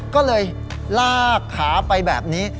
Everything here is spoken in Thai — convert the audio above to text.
ก็เลยลากขาไปแบบนี้